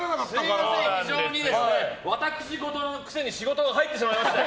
すみません、私ごとのくせに仕事が入ってしまいまして。